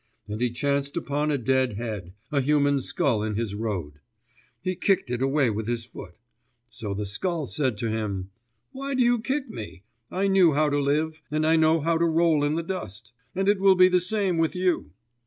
And he chanced upon a dead head, a human skull in his road; he kicked it away with his foot. So the skull said to him; "Why do you kick me? I knew how to live, and I know how to roll in the dust and it will be the same with you."